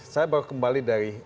saya baru kembali dari